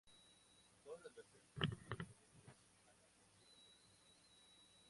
Todas las versiones son muy diferentes a las canciones originales.